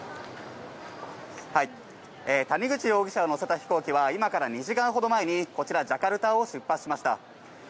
谷口容疑者を乗せた飛行機は今から２時間ほど前にこちら、ジャカルタを出発しました。